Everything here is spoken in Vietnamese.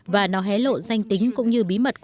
và nó hé lộ danh tính cũng như bí mật